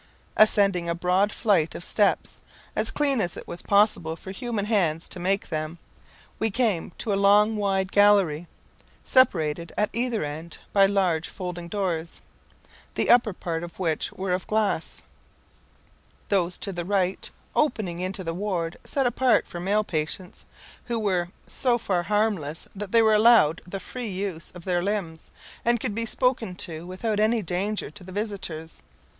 Ascending a broad flight of steps, as clean as it was possible for human hands to make them, we came to a long wide gallery, separated at either end by large folding doors, the upper part of which were of glass; those to the right opening into the ward set apart for male patients, who were so far harmless that they were allowed the free use of their limbs, and could be spoken to without any danger to the visitors.